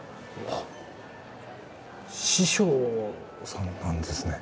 あっ司書さんなんですね